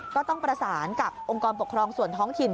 ก็ต้องประสานกับองค์กรปกครองส่วนท้องถิ่น